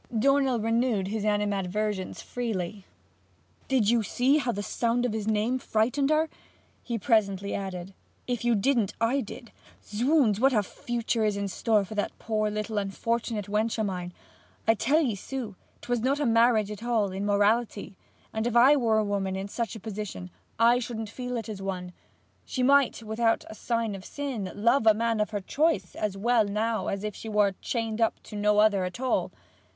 Dornell renewed his animadversions freely. 'Did you see how the sound of his name frightened her?' he presently added. 'If you didn't, I did. Zounds! what a future is in store for that poor little unfortunate wench o' mine! I tell 'ee, Sue, 'twas not a marriage at all, in morality, and if I were a woman in such a position, I shouldn't feel it as one. She might, without a sign of sin, love a man of her choice as well now as if she were chained up to no other at all.